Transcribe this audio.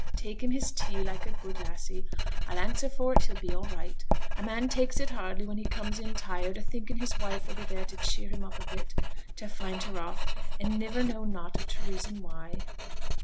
'Take him his tea, like a good lassie. I'll answer for it he'll be all right. A man takes it hardly when he comes in tired, a thinking his wife 'll be there to cheer him up a bit, to find her off, and niver know nought of t' reason why.'